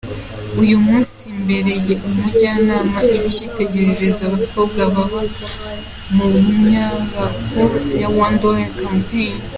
Uyu munsi mbereye umujyanama n’icyitegererezo abakobwa baba mu nyubako ya “One Dollar Campaign”.